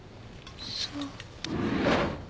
そう。